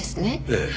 ええ。